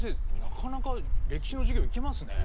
なかなか歴史の授業いけますね。